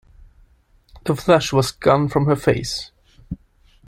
The flush was gone from her face.